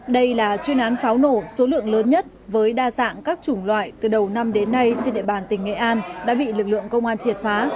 đây là chuyên án pháo nổ số lượng lớn nhất với đa dạng các chủng loại từ đầu năm đến nay trên địa bàn tỉnh nghệ an đã bị lực lượng công an triệt phá